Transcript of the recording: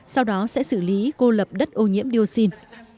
sau đó sẽ xử lý cô lập đất ô nhiễm dioxin